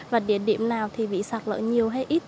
và địa điểm nào bị xạc lỡ nhiều hay ít